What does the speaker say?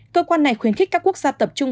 cơ quan này khuyến khích các quốc gia tập trung